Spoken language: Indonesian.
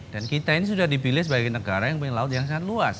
dan kita ini sudah dipilih sebagai negara yang punya laut yang sangat luas